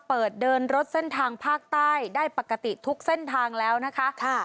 เดินรถเส้นทางภาคใต้ได้ปกติทุกเส้นทางแล้วนะคะ